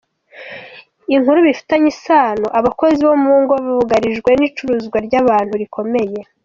Inkuru bifitanye isano Abakozi bo mu ngo bugarijwe n’icuruzwa ry’abantu rikomeye.